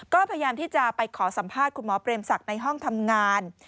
ก็พยายามที่จะไปขอสัมภาษณ์คุณหมอเปรมศักดิ์ในห้องทำงาน